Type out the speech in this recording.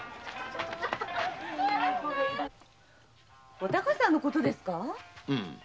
お孝さんのことですか？